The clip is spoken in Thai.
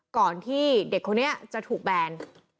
ก่อนที่เด็กคนนี้จะถูกแบน